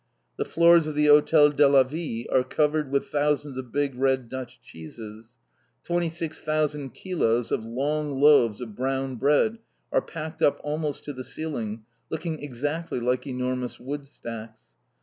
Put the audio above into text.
The floors of the Hotel de la Ville are covered with thousands of big red Dutch cheeses. Twenty six thousand kilos of long loaves of brown bread are packed up almost to the ceiling, looking exactly like enormous wood stacks.